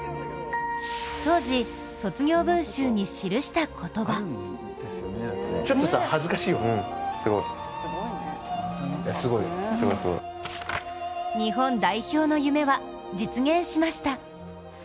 当時、卒業文集に記した言葉日本代表の夢は実現しました。